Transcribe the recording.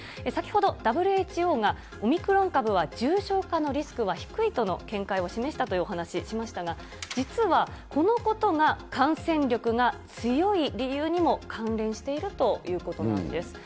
先ほど、ＷＨＯがオミクロン株は重症化のリスクは低いとの見解を示したというお話しましたが、実は、このことが感染力が強い理由にも関連しているということなんです。